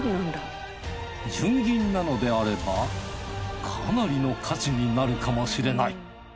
純銀なのであればかなりの価値になるかもしれない。